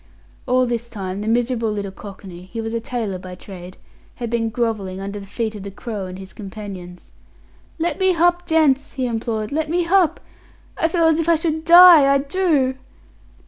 All this time the miserable little cockney he was a tailor by trade had been grovelling under the feet of the Crow and his companions. "Let me h'up, gents" he implored "let me h'up. I feel as if I should die I do."